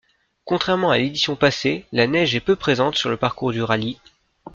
Contrairement à l'édition passée, la neige est peu présente sur le parcours du rallye.